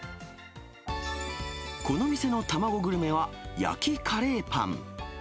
この店の卵グルメは、焼きカレーパン。